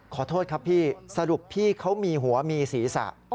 ขอโทษครับพี่สรุปพี่เขามีหัวมีศีรษะ